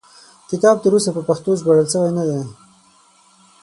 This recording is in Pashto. کتاب تر اوسه په پښتو ژباړل شوی نه دی.